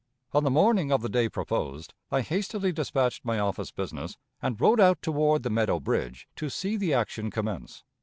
On the morning of the day proposed, I hastily dispatched my office business, and rode out toward the Meadow Bridge to see the action commence.